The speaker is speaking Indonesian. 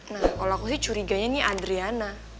nah kalau aku sih curiganya nih adriana